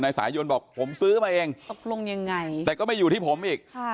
นายสายยนต์บอกผมซื้อมาเองแต่ก็ไม่อยู่ที่ผมอีก